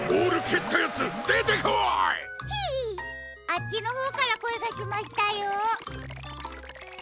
あっちのほうからこえがしましたよ。